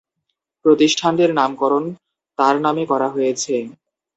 প্রতিষ্ঠানটির নামকরণ তার নামে করা হয়েছে।